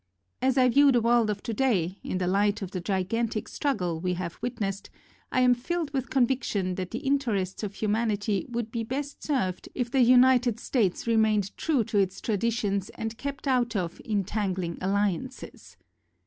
As I view the world of today, in the light of the gigantic struggle we have witnest, I am filled with conviction that the interests of humanity would be best served if the United States remained true to its tradi tions and kept out of "entangling alliances."